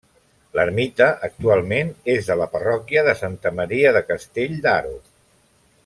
L'ermita actualment és de la parròquia de Santa Maria de Castell d'Aro.